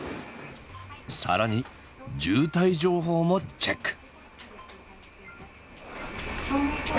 更に渋滞情報もチェック。